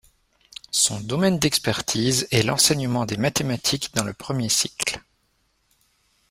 Son domaine d'expertise est l'enseignement des mathématiques dans le premier cycle.